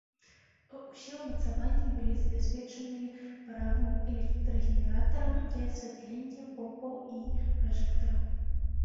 Усе ўмацаванні былі забяспечаныя паравым электрагенератарам для асвятлення, помпаў і пражэктараў.